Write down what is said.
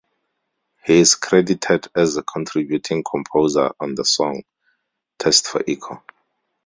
He is credited as a contributing composer on the song "Test for Echo".